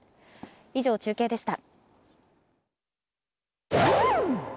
以上、中継でした。